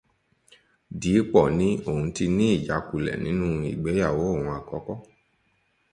Diípọ̀ ní òun ti ní ìjákulẹ̀ nínú ìgbéyàwó òun àkọ́kọ́